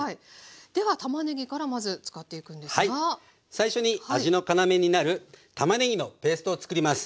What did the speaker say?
最初に味の要になるたまねぎのペーストをつくります。